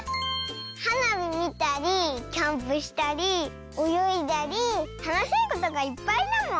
はなびみたりキャンプしたりおよいだりたのしいことがいっぱいだもん。